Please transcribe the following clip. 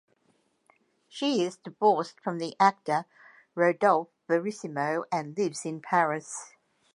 She is divorced from the actor Rodolphe Verissimo, and lives in Paris.